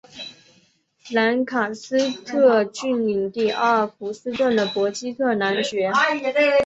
兰卡斯特郡领地阿尔弗斯顿的伯基特男爵。